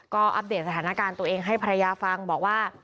ก็อัปเดตสถานการณ์ตัวเองให้ภรรยาฟังบอกว่า